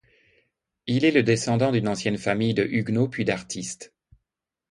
Il est le descendant d'une ancienne famille de huguenots puis d'artistes.